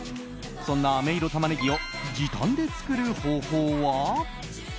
そんな、あめ色タマネギを時短で作る方法は？